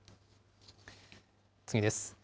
次です。